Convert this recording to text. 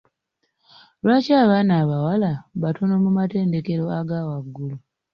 Lwaki abaana abawala batono mu matendekero aga waggulu?